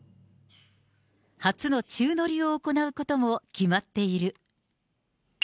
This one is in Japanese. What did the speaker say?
初の宙乗りを行うことも決まっている。